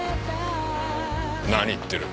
何言ってる。